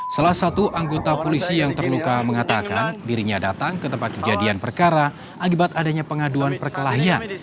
salah satu anggota polisi yang terluka mengatakan dirinya datang ke tempat kejadian perkara akibat adanya pengaduan perkelahian